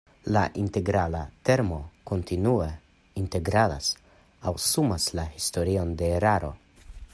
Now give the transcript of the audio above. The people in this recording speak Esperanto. La integrala termo kontinue integralas aŭ sumas la historion de eraro.